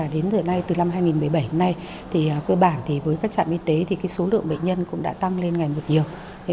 đến giờ nay từ năm hai nghìn một mươi bảy đến nay thì cơ bản với các trạm y tế thì số lượng bệnh nhân cũng đã tăng lên ngày một nhiều